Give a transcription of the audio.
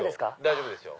大丈夫ですよ。